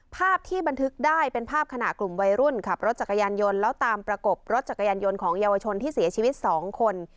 ภาพที่บันทึกได้เป็นภาพขณะกลุ่มวัยรุ่นขับรถจักรยานยนต์แล้วตามประกบรถจักรยานยนต์ของเยาวชนที่เสียชีวิต๒คน